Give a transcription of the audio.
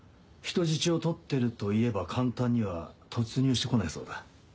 人質を取ってると言えば簡単には突入して来ないそうだ。